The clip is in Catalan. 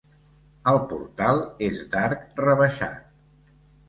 El portal és d'arc rebaixat.